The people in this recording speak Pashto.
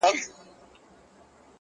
• څو ورځي کېږي -